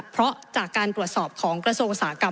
เพราะจากการตรวจสอบของกระโสสากรรม